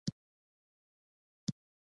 او پلانونه جوړوي -